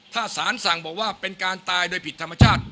ถ้าสารสั่งบอกว่าเป็นการตายโดยผิดธรรมชาติ